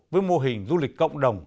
với mô hình du lịch cộng đồng